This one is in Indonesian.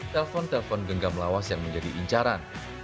telpon telpon genggam lawas yang menjadi incaran